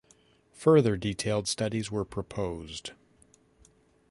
Further detailed studies were proposed.